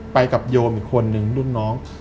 กับโยมอีกคนนึงรุ่นน้อง